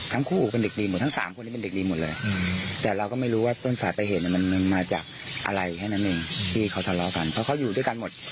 ทั้งคู่เป็นเด็กดีหมดทั้งสามคนนี้เป็นเด็กดีหมดเลยแต่เราก็ไม่รู้ว่าต้นสายไปเหตุมันมาจากอะไรแค่นั้นเองที่เขาทะเลาะกันเพราะเขาอยู่ด้วยกันหมด